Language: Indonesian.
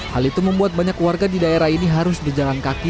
hal itu membuat banyak warga di daerah ini harus berjalan kaki